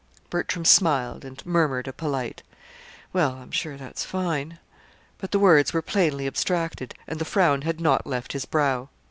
Bertram smiled, and murmured a polite "Well, I'm sure that's fine!"; but the words were plainly abstracted, and the frown had not left his brow.